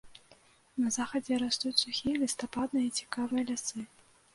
На захадзе растуць сухія лістападныя цікавыя лясы.